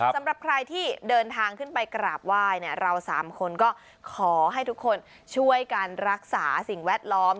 สำหรับใครที่เดินทางขึ้นไปกราบไหว้เนี่ยเราสามคนก็ขอให้ทุกคนช่วยการรักษาสิ่งแวดล้อม